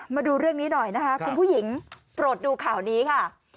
มาดูเรื่องนี้หน่อยนะคะคุณผู้หญิงโปรดดูข่าวนี้ค่ะ